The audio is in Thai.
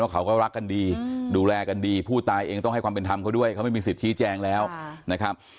เขาก็รักกันดีดูแลกันดีผู้ตายเองต้องให้ความเป็นธรรมเขาด้วยเขาไม่มีสิทธิแจงแล้วนะครับ